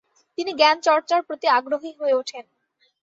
তিনি জ্ঞান চর্চার প্রতি আগ্রহী হয়ে উঠেন।